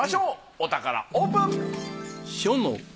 お宝オープン！